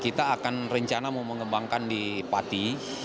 kita akan rencana mau mengembangkan di pati